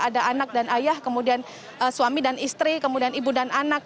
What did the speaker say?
ada anak dan ayah kemudian suami dan istri kemudian ibu dan anak